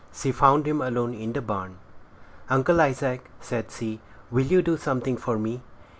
She found him alone in the barn. "Uncle Isaac," said she, "will you do something for me?"